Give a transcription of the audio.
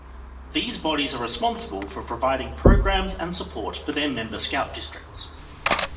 These bodies are responsible for providing programmes and support for their member Scout Districts.